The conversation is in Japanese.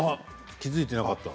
気付いていなかった。